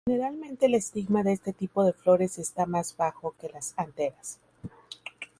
Generalmente el estigma de este tipo de flores está más bajo que las anteras.